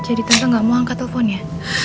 jadi tante gak mau angkat telponnya